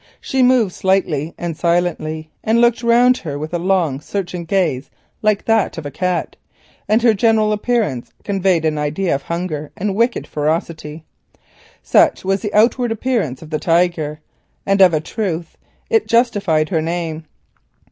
She moved lightly and silently, and looked around her with a long searching gaze, like that of a cat, and her general appearance conveyed an idea of hunger and wicked ferocity. Such was the outward appearance of the Tiger, and of a truth it justified her name.